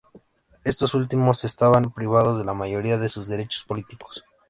Estos últimos estaban privados de la mayoría de sus derechos políticos.